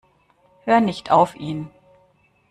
Hör nicht auf ihn.